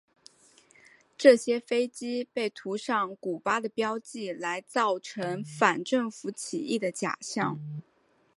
这些飞机被涂上古巴的标记来造成反政府起义的假象。